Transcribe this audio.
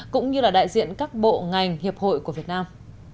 cũng như là đại diện các bộ ngành hiệp hội của việt nam